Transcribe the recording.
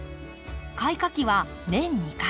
開花期は年２回。